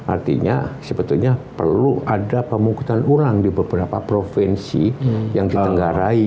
artinya sebetulnya perlu ada pemungkutan ulang di beberapa provinsi yang ditenggarai